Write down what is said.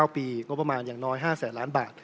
๙ปีงบประมาณอย่างน้อย๕แสนล้านบาท